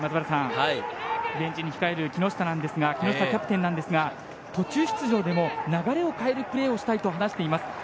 ベンチに控える木下なんですが、この人がキャプテンなんですが、途中出場でも流れを変えるプレーをしたいと話しています。